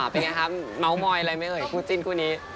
เป็นอย่างไรครับม้าวมอยอะไรไหมคู่จิ้นคู่นี้